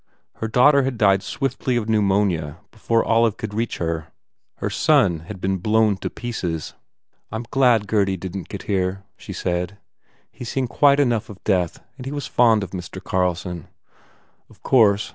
Her daughter had died swiftly of pneumonia before Olive could reach her. Her son had been blown to pieces. "I m glad Gurdy didn t get here," she said, "He s seen quite enough of death and he was fond of Mr. Carlson." "Of course.